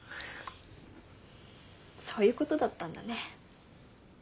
そういうことだったんだね。